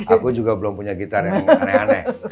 aku juga belum punya gitar yang aneh aneh